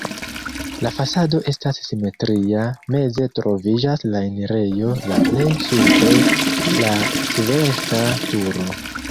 La fasado estas simetria, meze troviĝas la enirejo, la plej supre la svelta turo.